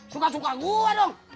suka suka gua dong